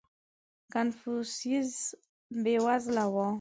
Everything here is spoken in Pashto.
• کنفوسیوس بېوزله و.